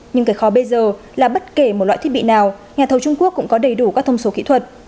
nhưng cái khó bây giờ là bất kể một loại thiết bị nào nhà thầu trung quốc cũng có đầy đủ các thông số kỹ thuật